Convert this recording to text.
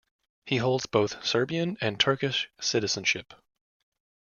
He holds both Serbian and Turkish citizenship.